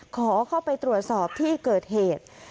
ขอเข้าไปตรวจสอบที่เกิดเหตุ